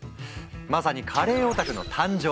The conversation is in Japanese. まさにカレーオタクの誕生！